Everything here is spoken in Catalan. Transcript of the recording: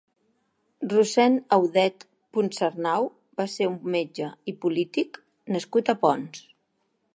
Rossend Audet Puncernau va ser un metge i polític nascut a Ponts.